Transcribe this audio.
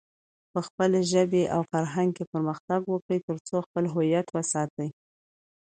په خپلې ژبې او فرهنګ کې پرمختګ وکړئ، ترڅو خپل هويت وساتئ.